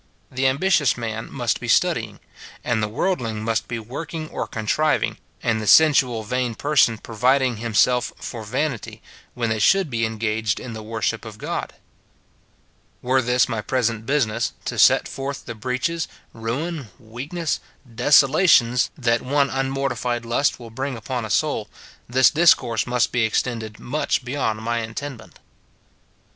The ambitious man must be studying, and the worldling must be working or contriving, and the sensual, vain person providing himself for vanity, when they should be en gaged in the worship of God. Were this my present business, to set forth the breaches, ruin, weakness, desolations, that one unmortified lust will bring upon a soul, this discourse must be extended much beyond my intendment.